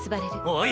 おい。